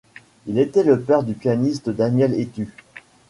Il était le père du pianiste Daniel Hétu.